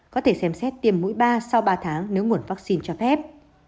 có thể xem xét tiêm mũi ba sau ba tháng nếu nguồn vaccine cho phép